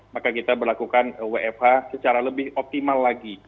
maka kita berlakukan wfh secara lebih optimal lagi